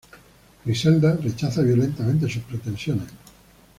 Griselda rechaza violentamente sus pretensiones.